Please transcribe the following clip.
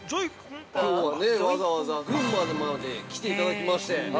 きょうは、わざわざ群馬まで来ていただきまして。